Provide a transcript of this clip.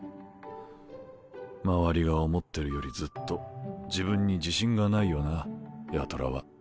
周りが思ってるよりずっと自分に自信がないよな八虎は。